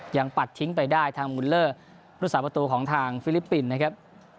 ปัดทิ้งไปได้ทางมูลเลอร์ลูกสาวประตูของทางฟิลิปปินส์นะครับ